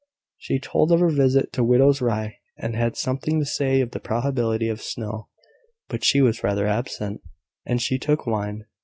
She told of her visit to Widow Rye's, and had something to say of the probability of snow; but she was rather absent, and she took wine.